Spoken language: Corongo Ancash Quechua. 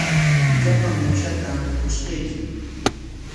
Llapan uushatam qushqayki.